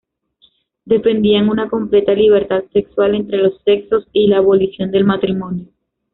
Defendían una completa libertad sexual entre los sexos y la abolición del matrimonio.